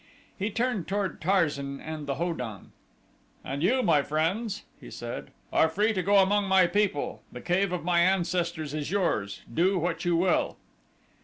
He turned toward Tarzan and the Ho don. "And you, my friends," he said, "are free to go among my people; the cave of my ancestors is yours, do what you will."